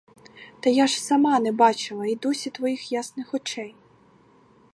Та я ж сама не бачила й досі твоїх ясних очей.